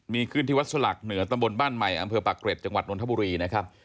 มีขึ้นที่วัดสลักเหนือตำบลบ้านใหม่อำเภอปากเกร็ดจังหวัดนทบุรีนะครับ